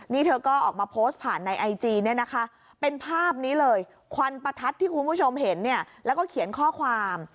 นี่เธอก็ออกมาโพสต์ผ่านในไอจีเนี่ยนะคะเป็นภาพนี้เลยควันประทัดที่คุณผู้ชมเห็นเนี่ยแล้วก็เขียนข้อความ